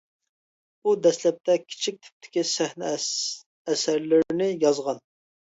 ئۇ دەسلەپتە كىچىك تىپتىكى سەھنە ئەسەرلىرىنى يازغان.